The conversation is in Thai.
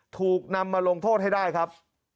ถูกนำมาลงโทษให้ได้ครับ